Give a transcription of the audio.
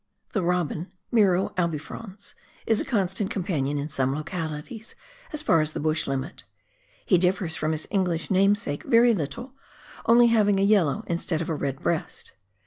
The robin (Miro albifrons) is a constant companion in some localities, as far as the bush limit ; he differs from his English namesake very little, only having a yellow instead of a red breast.